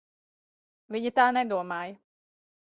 Viņa tā nedomāja.